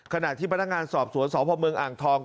ขณะที่พนักงานสอบสวนสพเมืองอ่างทอง